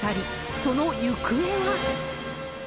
その行方は。